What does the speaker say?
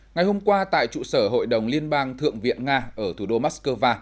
ngày hôm qua tại trụ sở hội đồng liên bang thượng viện nga ở thủ đô moscow